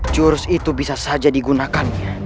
jurus itu bisa saja digunakan